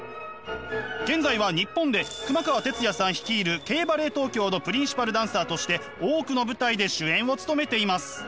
現在は日本で熊川哲也さん率いるＫ−ＢＡＬＬＥＴＴＯＫＹＯのプリンシパルダンサーとして多くの舞台で主演を務めています。